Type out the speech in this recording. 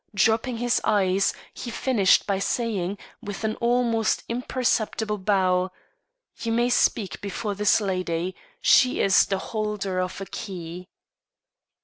Dropping his eyes, he finished by saying, with an almost imperceptible bow, "You may speak before this lady; she is the holder of a key."